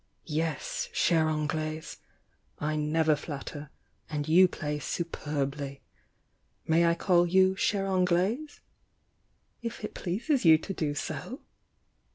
Yes, chere Anglaise! — I never flatter— and you play superbly. May I call you chere Anglaise?" "It it pleases you to do so!"